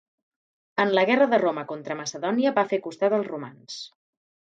En la guerra de Roma contra Macedònia va fer costat als romans.